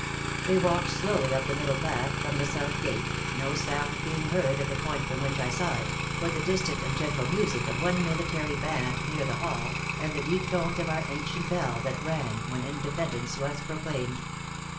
They walked slowly up the middle path from the south gate, no sound being heard at the point from which I saw it, but the distant and gentle music of one military band near the Hall, and the deep tones of our ancient bell that rang when Independence was proclaimed.